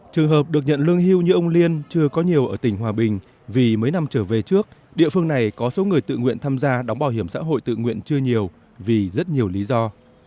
trường hợp được nhận lương hưu như ông liên chưa có nhiều ở tỉnh hòa bình vì mấy năm trở về trước địa phương này có số người tự nguyện tham gia đóng bảo hiểm xã hội tự nguyện chưa nhiều vì rất nhiều lý do